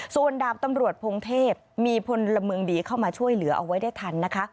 ส่วนดาบตำรวจพงเทพมีพลเมืองดีเข้ามาช่วยเหลือเอาไว้ได้ทันนะคะ